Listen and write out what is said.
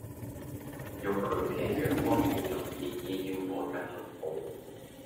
用佢嘅陽光笑容示意要我繼續抱